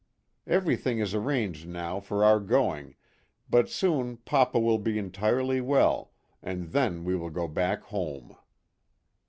Everything is arranged now for our going, but soon papa will be entirely well, and then we will go back home."